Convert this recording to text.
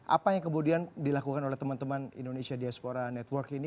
apa yang kemudian dilakukan oleh teman teman indonesia diaspora network ini